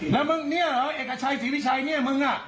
แล้วมึงเนี่ยเหรอเอกชัยศรีวิชัยเนี่ยมึงอ่ะ